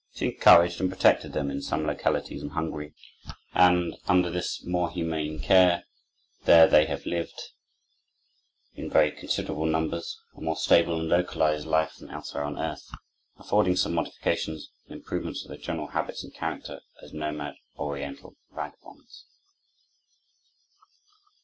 She encouraged and protected them in some localities in Hungary, and, under this more humane care, they have there lived, in very considerable numbers, a more stable and localized life than elsewhere on earth, affording some modifications and improvement of their general habits and character, as nomad, oriental vagabonds.